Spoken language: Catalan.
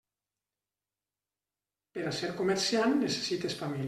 Per a ser comerciant necessites família.